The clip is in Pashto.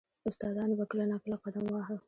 • استادانو به کله نا کله قدم واهه.